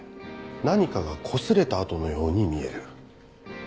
何かがこすれた跡のように見える。